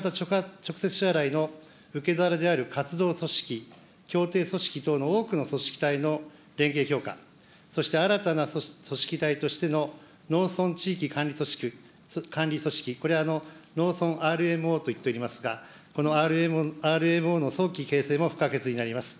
直接支払いの受け皿である活動組織、協定組織等の多くの組織体の連携強化、そして新たな組織体としての農村地域管理組織、これは農村ＲＭＯと言っておりますが、このＲＭＯの早期形成も不可欠になります。